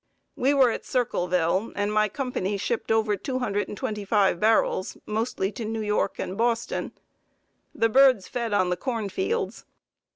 We were at Circleville, and my company shipped over 225 barrels, mostly to New York and Boston. The birds fed on the corn fields.